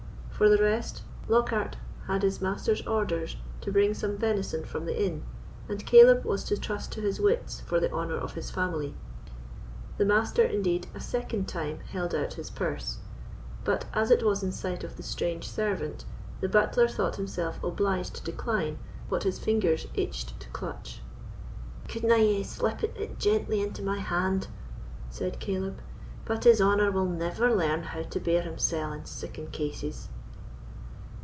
For the rest, Lockhard had his master's orders to bring some venison from the inn, and Caleb was to trust to his wits for the honour of his family. The Master, indeed, a second time held out his purse; but, as it was in sight of the strange servant, the butler thought himself obliged to decline what his fingers itched to clutch. "Couldna he hae slippit it gently into my hand?" said Caleb; "but his honour will never learn how to bear himsell in siccan cases."